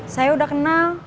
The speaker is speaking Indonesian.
saya udah kenal